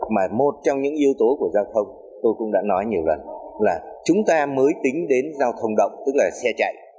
mà một trong những yếu tố của giao thông tôi cũng đã nói nhiều lần là chúng ta mới tính đến giao thông động tức là xe chạy